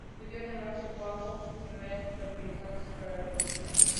Estudió además el guano y sus propiedades fertilizantes para la agricultura.